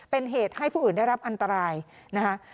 เป็นเหตุให้ผู้อื่นได้รับอันตรายนะคะ